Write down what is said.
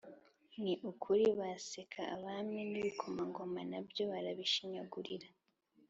ni ukuri baseka abami, n’ibikomangoma na byo barabishinyagurira